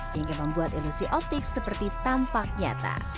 hingga membuat ilusi optik seperti tampak nyata